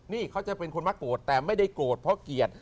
นี่เขาจะเป็นคนมักโกรธแต่ไม่ได้โกรธเพราะเกลียด